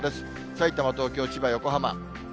さいたま、東京、千葉、横浜。